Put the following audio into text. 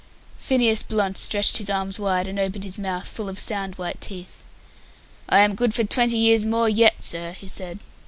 Phineas Blunt stretched his arms wide, and opened his mouth, full of sound white teeth. "I am good for twenty years more yet, sir," he said.